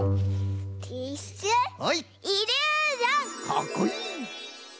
かっこいい。